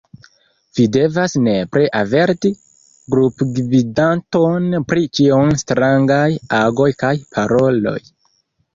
Vi devas nepre averti grupgvidanton pri ĉiuj strangaj agoj kaj paroloj.